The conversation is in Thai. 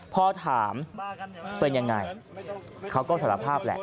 พอถามเป็นยังไงเขาก็สารภาพแหละ